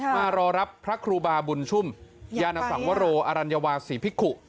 มารอรับครูบาบุญชุ่มย่านตำวะโรอรันยวาสิพิคุ